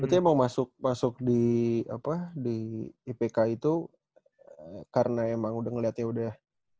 berarti emang masuk di ipk itu karena emang udah ngeliatnya udah